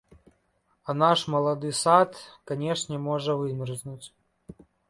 А наш малады сад, канешне, можа вымерзнуць.